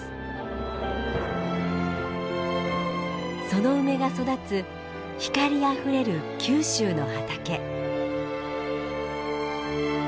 その梅が育つ光あふれる九州の畑。